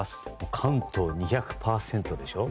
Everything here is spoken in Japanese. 関東２００％でしょ。